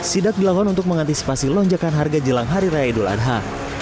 sidak dilakukan untuk mengantisipasi lonjakan harga jelang hari raya idul adha